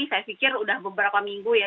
saya pikir sudah beberapa minggu ya